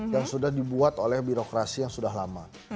yang sudah dibuat oleh birokrasi yang sudah lama